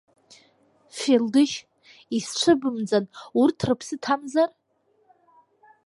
Фелдышь, исцәыбымӡан урҭ рыԥсы ҭамзар?